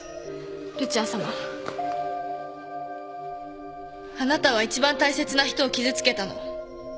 ルチアさまあなたは一番大切な人を傷つけたの。